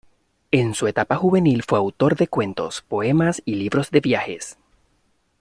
En su etapa juvenil fue autor de cuentos, poemas y libros de viajes.